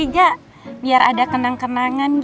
gak ngerti dong